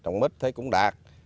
trồng mít thấy cũng đạt